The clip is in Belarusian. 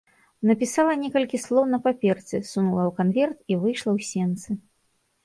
Напісала некалькі слоў на паперцы, сунула ў канверт і выйшла ў сенцы.